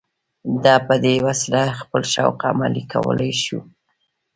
ده په دې وسیله خپل شوق عملي کولای شو